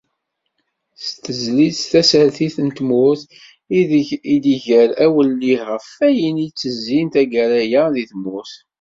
S tezlit "Tasertit n tmurt" ideg i d-iger awellih ɣef wayen ittezzin taggara-a di tmurt.